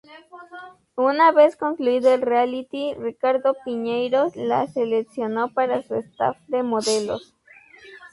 Una vez concluido el "reality", Ricardo Piñeiro la seleccionó para su "staff" de modelos.